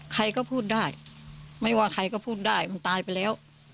ใครก็พูดได้ไม่ว่าใครก็พูดได้มันตายไปแล้ว